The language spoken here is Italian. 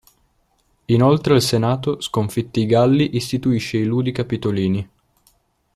Inoltre il Senato, sconfitti i Galli, istituisce i ludi Capitolini.